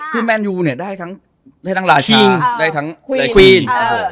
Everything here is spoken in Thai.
แล้วแมนยูได้ให้ทั้งราชาได้ทั้งควีน